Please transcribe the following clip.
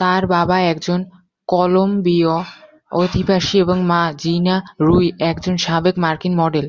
তার বাবা একজন কলোমবিয় অধিবাসী এবং মা, জিনা রুই, একজন সাবেক মার্কিন মডেল।